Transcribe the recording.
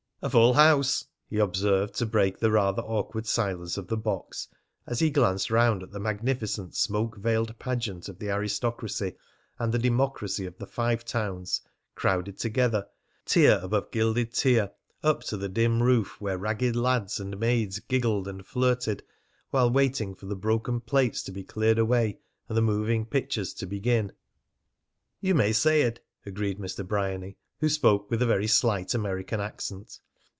"A full house!" he observed, to break the rather awkward silence of the box, as he glanced round at the magnificent smoke veiled pageant of the aristocracy and the democracy of the Five Towns crowded together, tier above gilded tier, up to the dim roof where ragged lads and maids giggled and flirted while waiting for the broken plates to be cleared away and the moving pictures to begin. "You may say it!" agreed Mr. Bryany, who spoke with a very slight American accent.